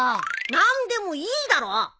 何でもいいだろ。